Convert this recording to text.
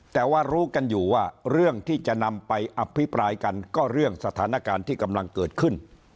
แต่ว่ารู้กันอยู่ว่าเรื่องที่จะนำไปอภิปรายกันก็เรื่องสถานการณ์ที่กำลังเกิดขึ้น